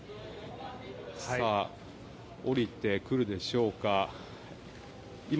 降りてくるでしょうか。